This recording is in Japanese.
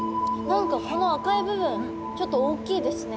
何かこの赤い部分ちょっと大きいですね。